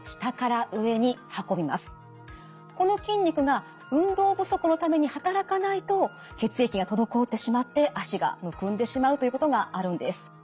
この筋肉が運動不足のために働かないと血液が滞ってしまって脚がむくんでしまうということがあるんです。